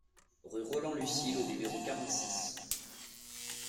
Rue Roland Lucile au numéro quarante-six